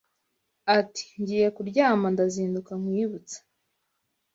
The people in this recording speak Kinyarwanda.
Ati: ngiye kulyama Ndazinduka nkwibutsa